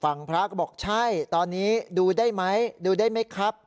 พระก็บอกใช่ตอนนี้ดูได้ไหมดูได้ไหมครับ